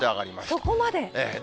そこまで？